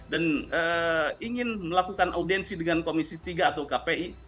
dan ingin melakukan audiensi dengan komisi tiga atau kpi